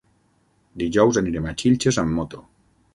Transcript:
Dijous anirem a Xilxes amb moto.